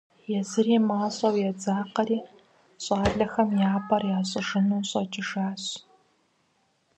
Езыри мащӀэу едзакъэри, щӀалэхэм я пӀэр ищӀыжыну щӀэкӀыжащ.